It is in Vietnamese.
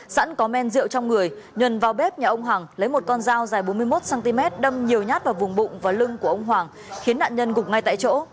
sẵn có men rượu trong người nhuần vào bếp nhà ông hằng lấy một con dao dài bốn mươi một cm đâm nhiều nhát vào vùng bụng và lưng của ông hoàng khiến nạn nhân gục ngay tại chỗ